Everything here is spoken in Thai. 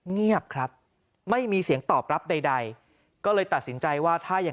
เงียบครับไม่มีเสียงตอบรับใดก็เลยตัดสินใจว่าถ้ายัง